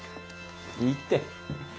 いいって。